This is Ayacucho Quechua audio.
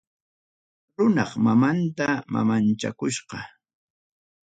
Runap mamanta mamachakuspa.